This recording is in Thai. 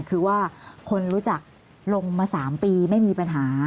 คือว่าคนรู้จักลงมา๓ปีไม่มีปัญหา